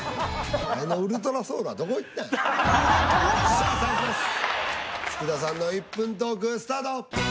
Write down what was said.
さあ対します福田さんの１分トークスタート。